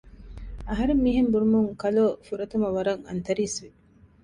އަހަރެން މިހެން ބުނުމުން ކަލޯ ފުރަތަމަ ވަރަށް އަންތަރީސްވި